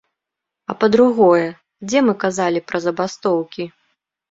А па-другое, дзе мы казалі пра забастоўкі?